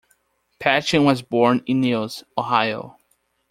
Patchen was born in Niles, Ohio.